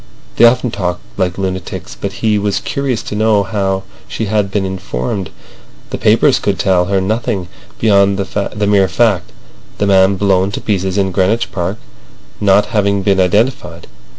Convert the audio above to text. They often talked like lunatics. But he was curious to know how she had been informed. The papers could tell her nothing beyond the mere fact: the man blown to pieces in Greenwich Park not having been identified.